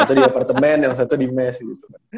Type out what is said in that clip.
satu di apartemen yang satu di mes gitu